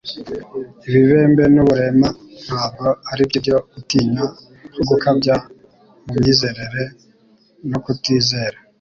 Ibibembe n'uburema ntabwo ari byo byo gutinywa nko gukabya mu myizerere no kutizera.